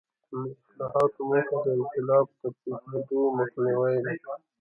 د اصلاحاتو موخه د انقلاب د پېښېدو مخنیوی دی.